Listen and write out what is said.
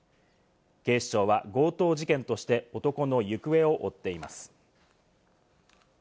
警視庁は強盗事件として男の行方を追っています。